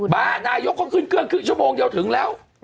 ป่ะนายกเขาขึ้นเกืองแค่ชั่วโมงเดียวถึงแล้ว